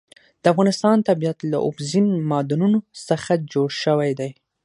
د افغانستان طبیعت له اوبزین معدنونه څخه جوړ شوی دی.